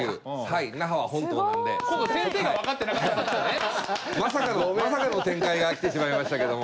今度まさかのまさかの展開が来てしまいましたけども。